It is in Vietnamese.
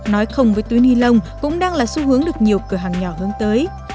nói không với túi ni lông cũng đang là xu hướng được nhiều cửa hàng nhỏ hướng tới